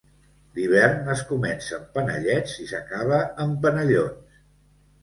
L'hivern es comença amb panellets i s'acaba amb penellons.